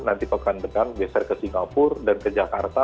nanti pekan depan geser ke singapura dan ke jakarta